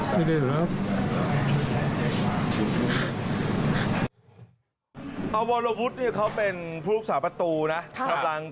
ไปสรรพายแก้ไขก็ไปได้